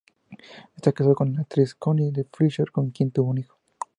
Está casado con la actriz Connie Fletcher, con quien tiene un hijo.